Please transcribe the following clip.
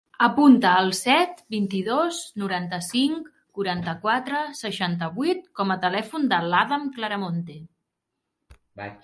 Apunta el set, vint-i-dos, noranta-cinc, quaranta-quatre, seixanta-vuit com a telèfon de l'Adam Claramonte.